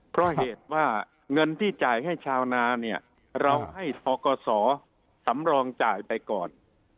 เพราะเหตุว่าเงินที่จ่ายให้ชาวนาเนี่ยเราให้ทกศสำรองจ่ายไปก่อน